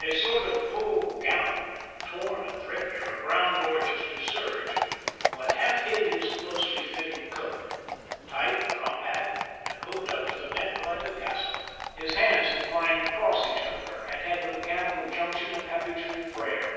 A sort of full gown, torn and threadbare, of brown Dorchester serge, but half hid his closely fitting coat, tight, compact, and hooked up to the neck like a cassock. His hands inclined to cross each other, and had the mechanical junction of habitual prayer.